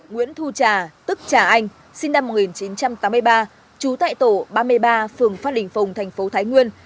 nguyễn thu trà tức trà anh sinh năm một nghìn chín trăm tám mươi ba trú tại tổ ba mươi ba phường phát đình phùng thành phố thái nguyên